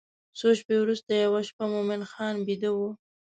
څو شپې وروسته یوه شپه مومن خان بیده و.